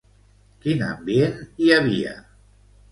Quin ambient hi havia?